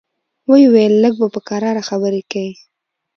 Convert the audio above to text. ويې ويل لږ به په کراره خبرې کيې.